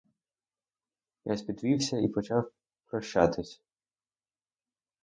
Ясь підвівся і почав прощатись.